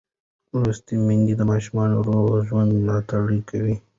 لوستې میندې د ماشوم روغ ژوند ملاتړ کوي.